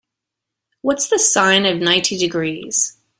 What's the sine of ninety degrees?